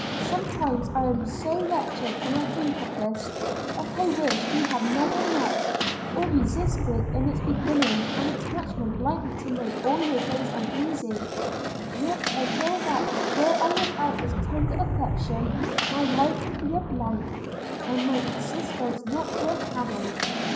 Sometimes I am so wretched when I think of this, that I wish we had never met, or resisted, in its beginning, an attachment likely to make all your days uneasy; yet I feel that were I without this tender affection my life would be a blank, and my existence not worth having.